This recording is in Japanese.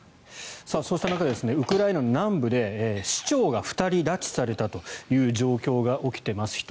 そうした中ウクライナの南部で市長が２人拉致されたという状況が起きています。